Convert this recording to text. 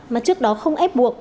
mà trước đó không ép buộc